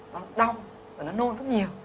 nó đong và nó nôn rất nhiều